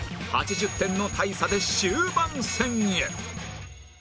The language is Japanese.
８０点の大差で終盤戦へ